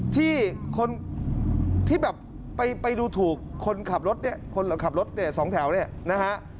ที่ไปดูถูกคนขับรถ๒แถวนี่นะฮะ